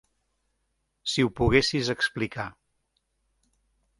Si ho poguessis explicar.